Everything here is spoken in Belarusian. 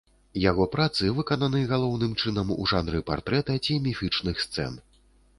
Яго працы выкананы галоўным чынам у жанры партрэта ці міфічных сцэн.